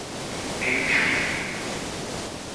Elle crie.